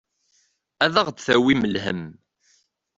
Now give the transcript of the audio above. Ad aɣ-d-tawim lhemm.